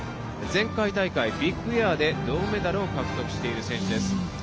前回大会、ビッグエアで銅メダルを獲得している選手です。